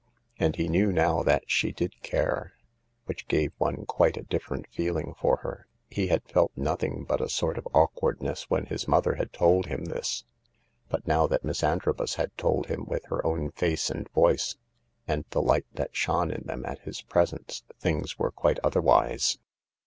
And he knew now that she did care ; which gave one quite a different feeling for her. He had felt nothing but a sort of awkwardness when his mother had told him this. But now that Miss Antrobus had told him with her own face and voice, and the light that shone in them at his presence, things were quite otherwise.